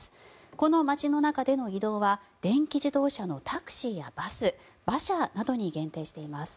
この街の中での移動は電気自動車のタクシーやバス馬車などに限定しています。